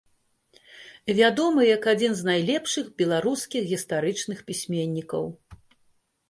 Вядомы як адзін з найлепшых беларускіх гістарычных пісьменнікаў.